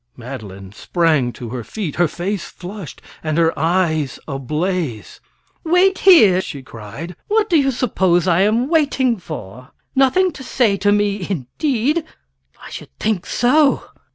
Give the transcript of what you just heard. Madeline sprang to her feet, her face flushed and her eyes ablaze. "Wait here!" she cried. "What do you suppose I am waiting for? Nothing to say to me indeed! I should think so!